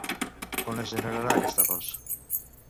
On es generarà aquest arròs?